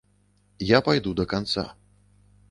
Я пайду да канца.